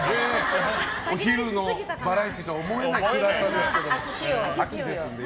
お昼のバラエティーとは思えない暗さですけど。